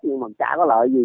nhưng mà chả có lợi gì